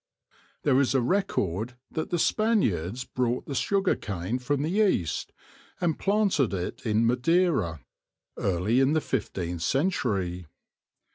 There is a record that the Spaniards brought the sugar cane from the East, and planted it in Madeira early in the fifteenth century.